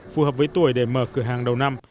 phù hợp với tuổi để mở cửa hàng đầu năm